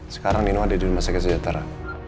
sekarang nino ada di rumah sakit sejahtera